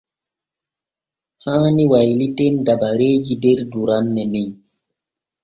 Haani wayliten dabareeji der duranne men.